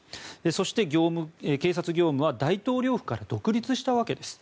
そして警察業務は大統領府から独立したわけです。